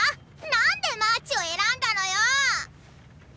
なんでマーチをえらんだのよ！